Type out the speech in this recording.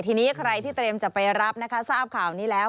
ทีนี้ใครที่เตรียมจะไปรับนะคะทราบข่าวนี้แล้ว